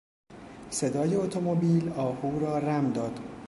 صدای اتومبیل آهو را رم داد.